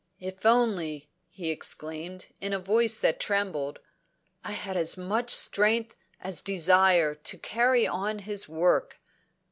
"If only," he exclaimed, in a voice that trembled, "I had as much strength as desire to carry on his work!"